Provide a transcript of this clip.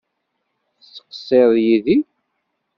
Tettqeṣṣireḍ yid-i?